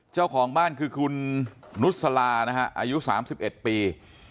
เจ้าของบ้านคือคุณนุษลานะฮะอายุ๓๑ปี